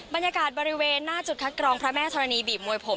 บรรยากาศบริเวณหน้าจุดคัดกรองพระแม่ธรณีบีบมวยผม